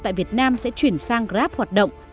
tại việt nam sẽ chuyển sang grab hoạt động